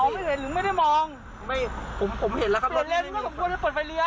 มองไม่เห็นหรือไม่ได้มองไม่ผมผมเห็นแล้วครับเปิดไฟเลี้ยว